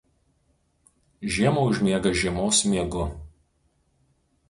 Žiemą užmiega žiemos miegu.